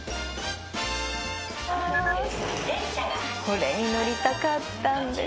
「これに乗りたかったんです」